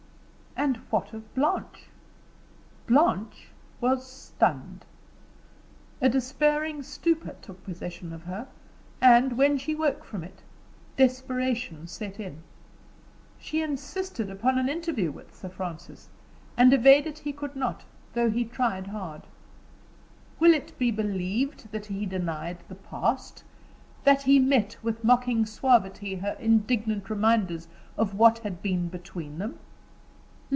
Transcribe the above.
And what of Blanche? Blanche was stunned. A despairing stupor took possession of her; and, when she woke from it, desperation set in. She insisted upon an interview with Sir Francis, and evade it he could not, though he tried hard. Will it be believed that he denied the past that he met with mocking suavity her indignant reminders of what had been between them?